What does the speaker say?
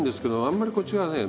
あんまりこっちがね